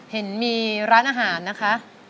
เห็นมีร้านอาหารนะคะ